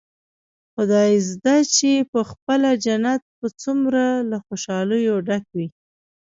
خدايزده چې پخپله جنت به څومره له خوشاليو ډک وي.